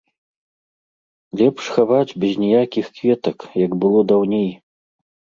Лепш хаваць без ніякіх кветак, як было даўней.